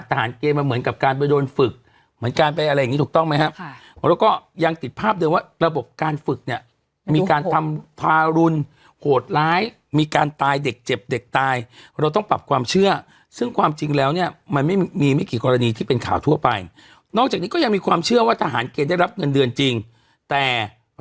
เกมมันเหมือนกับการไปโดนฝึกเหมือนกันไปอะไรอย่างงี้ถูกต้องไหมครับค่ะแล้วก็ยังติดภาพเดิมว่าระบบการฝึกเนี่ยมีการทำทารุณโหดร้ายมีการตายเด็กเจ็บเด็กตายเราต้องปรับความเชื่อซึ่งความจริงแล้วเนี่ยมันไม่มีไม่กี่กรณีที่เป็นข่าวทั่วไปนอกจากนี้ก็ยังมีความเชื่อว่าทหารเกณฑ์ได้รับเงินเดือนจริงแต่